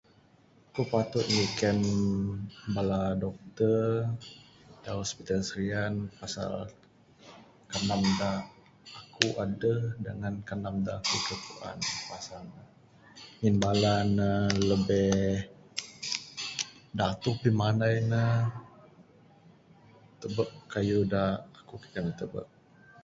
Ku patut nyiken bala doktor da hospital Serian pasal kanam da aku adeh dangan kanam da aku kaii puan pasal ne...ngin bala ne lebih datuh pimanai ne tubek kayuh da aku kaii kanan tubek.